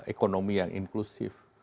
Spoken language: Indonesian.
ekonomi yang inklusif